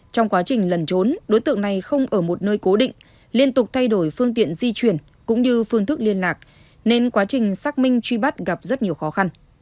trong quá trình lần trốn đối tượng này không ở một nơi cố định liên tục thay đổi phương tiện di chuyển cũng như phương thức liên lạc nên quá trình xác minh truy bắt gặp rất nhiều khó khăn